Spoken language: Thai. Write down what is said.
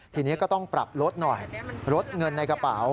ทีนี้ก็ต้องปรับลดหน่อยลดเงินในกระเป๋า